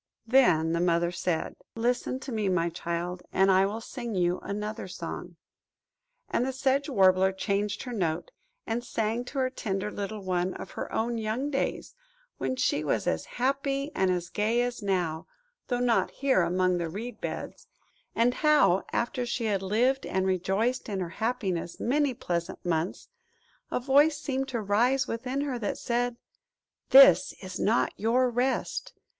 Then the Mother said– "Listen to me, my child, and I will sing you another song." And the Sedge Warbler changed her note, and sang to her tender little one of her own young days, when she was as happy and as gay as now, though not here among the reed beds; and how, after she had lived and rejoiced in her happiness many pleasant months, a voice seemed to rise within her that said–"This is not your Rest!